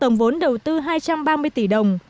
tổng vốn đầu tư hai trăm ba mươi tỷ đồng